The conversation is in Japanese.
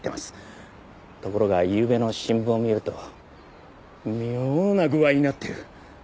ところがゆうべの新聞を見ると妙な具合になってる。